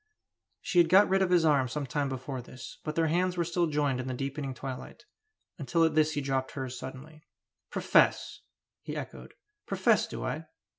She had got rid of his arm some time before this, but their hands were still joined in the deepening twilight, until at this he dropped hers suddenly. "Profess!" he echoed. "Profess, do I?